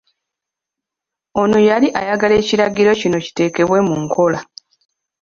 Ono yali ayagala ekiragiro kino kiteekebwe mu nkola.